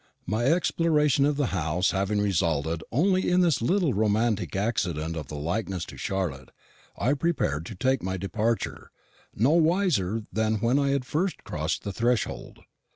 My exploration of the house having resulted only in this little romantic accident of the likeness to Charlotte, I prepared to take my departure, no wiser than when I had first crossed the threshold.